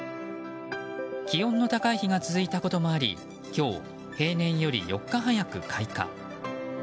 気温の高い日が続いたこともあり今日、平年より４日早く開花。